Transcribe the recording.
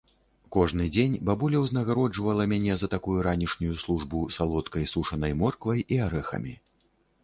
Кожны дзень бабуля ўзнагароджвала мяне за такую ранішнюю службу салодкай сушанай морквай і арэхамі.